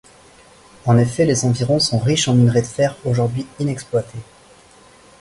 En effet, les environs sont riches en minerai de fer, aujourd'hui inexploité.